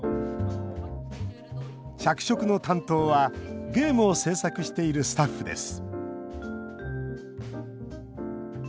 着色の担当は、ゲームを制作しているスタッフです